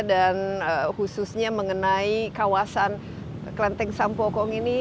dan khususnya mengenai kawasan kranteng sampokong ini